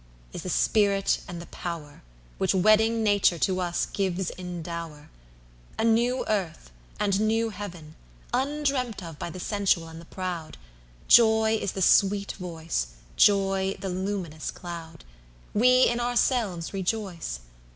is the spirit and the power, Which wedding Nature to us gives in dower,A new Earth and new Heaven, Undreamt of by the sensual and the proud—Joy is the sweet voice, Joy the luminous cloud—We in ourselves rejoice!